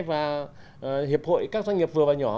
và hiệp hội các doanh nghiệp vừa và nhỏ